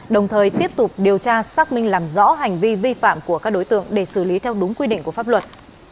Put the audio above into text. đồng thời tiếp tục điều tra xác minh làm rõ hành vi vi phạm của các đối tượng để xử lý theo đúng quy định của pháp luật